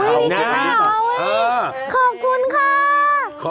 วันเกิดเชียวน้ำโอ้วจริงนะคะ